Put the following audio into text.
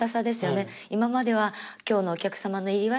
今までは「今日のお客様の入りは？」。